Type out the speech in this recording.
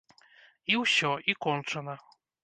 І ўсё, і кончана.